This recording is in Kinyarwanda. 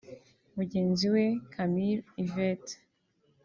Mugenzi we Camille Yvette